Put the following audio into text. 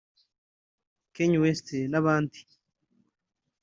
Kanye West n’abandi